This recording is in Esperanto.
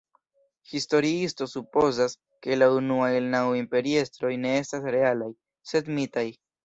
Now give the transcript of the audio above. Historiistoj supozas, ke la unuaj naŭ imperiestroj ne estas realaj, sed mitaj.